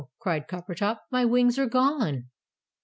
cried Coppertop. "My wings are gone!"